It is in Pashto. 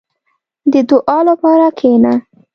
• د دعا لپاره کښېنه.